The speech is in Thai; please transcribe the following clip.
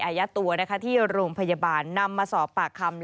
อายัดตัวที่โรงพยาบาลนำมาสอบปากคำ